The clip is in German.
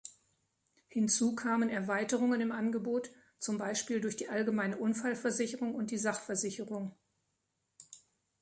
Hinzu kamen Erweiterungen im Angebot, zum Beispiel durch die Allgemeine Unfallversicherung und die Sachversicherung.